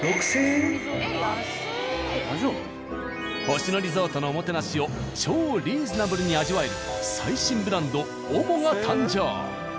星野リゾートのおもてなしを超リーズナブルに味わえる最新ブランドＯＭＯが誕生！